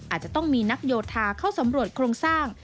อาจจะต้องมีนักโยธาเข้าสำรวจโครงสร้าง